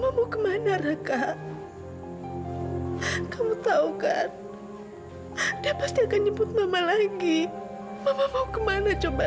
mau kemana reka kamu tahu kan anda pasti akan nyebut mama lagi mama mau kemana coba